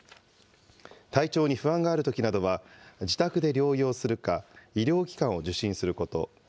体調に不安があるときなどは自宅で療養するか、医療機関を受診すること。